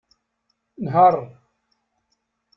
Nheṛ.